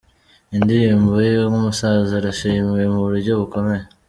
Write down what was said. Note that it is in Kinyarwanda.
Indirimbo ye ’Nk’umusaza’ irishimiwe mu buryo bukomeye.